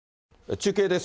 中継です。